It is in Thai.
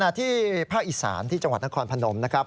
ที่ภาคอีสานที่จังหวัดนครพนมนะครับ